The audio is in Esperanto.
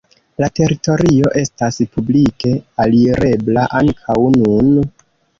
La teritorio estas publike alirebla ankaŭ nun.